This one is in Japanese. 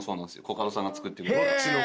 コカドさんが作ってくれて。